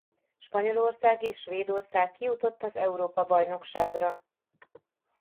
Spanyolország és Svédország kijutott az Európa-bajnokságra.